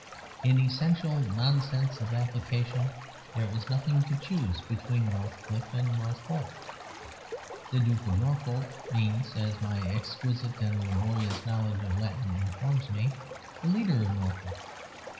In essential nonsense of application there is nothing to choose between Northcliffe and Norfolk. The Duke of Norfolk means (as my exquisite and laborious knowledge of Latin informs me) the Leader of Norfolk.